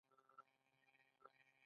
دریم دا چې په سازمان کې افراد موجود وي.